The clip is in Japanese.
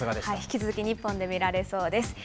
引き続き日本で見られそうです。